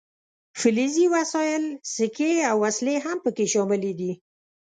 فلزي وسایل سیکې او وسلې هم پکې شاملې دي.